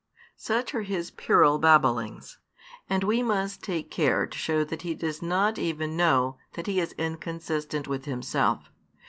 Such are his puerile babblings. And we must take care to show that he does not even know that he is inconsistent with himself.